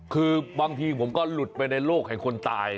คือบางทีผมก็หลุดไปในโลกแห่งคนตาย